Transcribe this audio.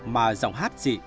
mà giọng hát chị